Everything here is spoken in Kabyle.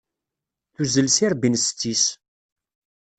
Tuzzel s irebbi n setti-s.